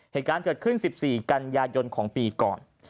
เหตุการณ์เกิดขึ้น๑๔กันยายนของปีก่อน